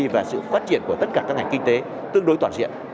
và sự phát triển của tất cả các ngành kinh tế tương đối toàn diện